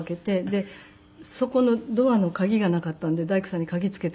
でそこのドアの鍵がなかったんで大工さんに鍵つけてもらって。